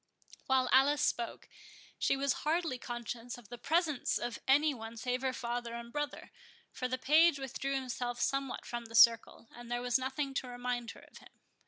While Alice spoke, she was hardly conscious of the presence of any one save her father and brother; for the page withdrew himself somewhat from the circle, and there was nothing to remind her of him.